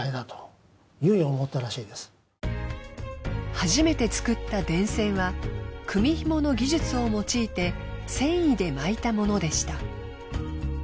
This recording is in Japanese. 初めて作った電線は組紐の技術を用いて繊維で巻いたものでした。